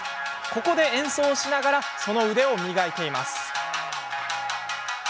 ここで演奏しながらその腕を磨いています。